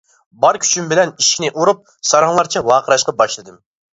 بار كۈچۈم بىلەن ئىشىكنى ئۇرۇپ، ساراڭلارچە ۋارقىراشقا باشلىدىم.